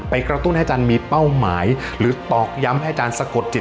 กระตุ้นให้อาจารย์มีเป้าหมายหรือตอกย้ำให้อาจารย์สะกดจิต